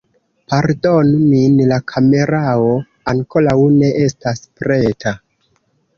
Pardonu min la kamerao ankoraŭ ne estas preta